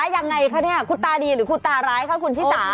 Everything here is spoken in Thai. ยังไงคะเนี่ยคุณตาดีหรือคุณตาร้ายคะคุณชิสา